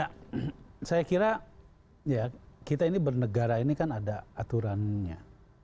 ya saya kira ya kita ini bernegara ini kan ada aturannya